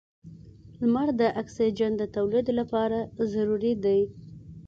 • لمر د اکسیجن د تولید لپاره ضروري دی.